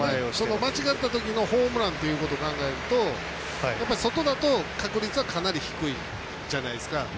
間違ったときのホームランというのを考えると外だと確率はかなり低いじゃないですか。